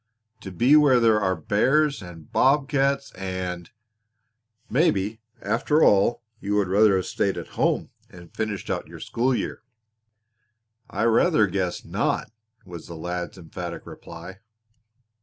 "To be where there are bears and bob cats and " "Maybe, after all, you would rather have stayed at home and finished out your school year." "I rather guess not!" was the lad's emphatic reply.